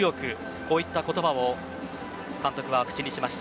こういった言葉を監督は口にしました。